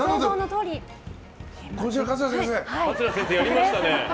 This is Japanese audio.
桂先生やりましたね。